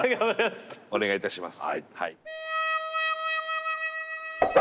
お願いいたします。